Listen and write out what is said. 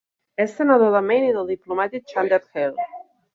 És senador de Maine i del diplomàtic Chandler Hale.